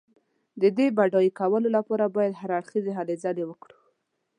د دې د بډای کولو لپاره باید هر اړخیزې هلې ځلې وکړو.